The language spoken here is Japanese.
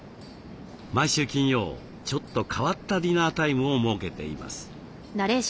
毎週金曜ちょっと変わったディナータイムを設けています。